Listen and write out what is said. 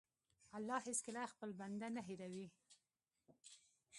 الله هېڅکله خپل بنده نه هېروي.